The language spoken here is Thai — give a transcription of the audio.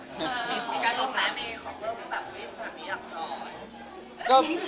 มีการสงบแล้วมั้ย